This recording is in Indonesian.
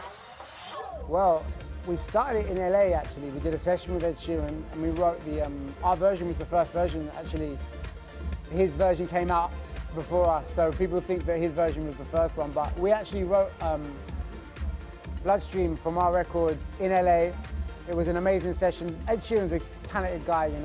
sebelumnya dia menunjukkan bahwa dia sudah mencari penyanyi yang menarik untuk mencapai kepentingan